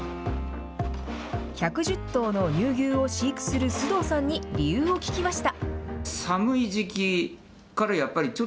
１１０頭の乳牛を飼育する須藤さんに理由を聞きました。